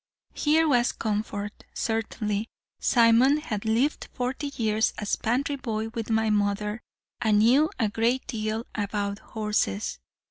"Here was comfort, certainly. Simon had lived forty years as pantry boy with my mother, and knew a great deal about horses.